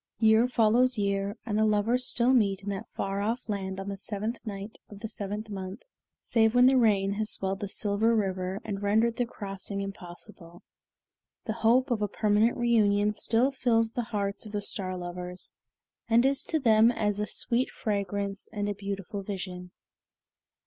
Year follows year, and the lovers still meet in that far off land on the seventh night of the seventh month, save when rain has swelled the Silver River and rendered the crossing impossible. The hope of a permanent reunion still fills the hearts of the Star Lovers, and is to them as a sweet fragrance and a beautiful vision.